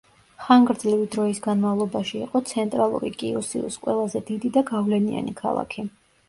ხანგრძლივი დროის განმავლობაში იყო ცენტრალური კიუსიუს ყველაზე დიდი და გავლენიანი ქალაქი.